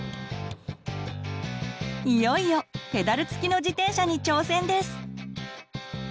いよいよペダル付きの自転車に挑戦です！